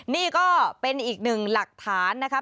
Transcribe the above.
นี่ก็เป็นอีกหนึ่งหลักฐานนะครับ